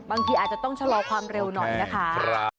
บางทีอาจจะต้องชะลอความเร็วหน่อยนะคะ